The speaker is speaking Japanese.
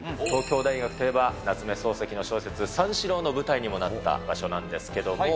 東京大学といえば、夏目漱石の小説、三四郎の舞台にもなった場所なんですけども。